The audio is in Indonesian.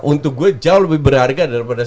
untuk gue jauh lebih berharga daripada